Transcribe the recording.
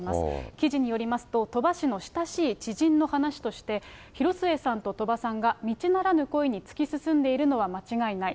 記事によりますと、鳥羽氏の親しい知人の話として、広末さんと鳥羽さんが道ならぬ恋に突き進んでいるのは間違いない。